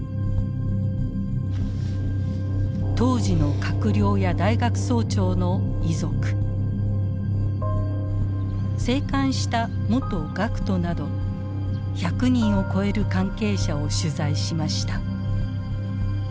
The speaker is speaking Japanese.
当時の閣僚や大学総長の遺族生還した元学徒など１００人を超える関係者を取材しました。